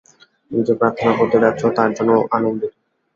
তুমি যে প্রার্থনা করতে যাচ্ছ, তার জন্য আনন্দিত।